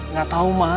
nggak tahu ma